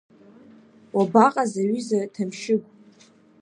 Уабаҟаз, аҩыза Ҭамшьыгә?